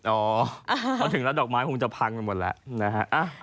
เพราะถึงแล้วดอกไม้คงจะพังไปหมดแล้วนะฮะ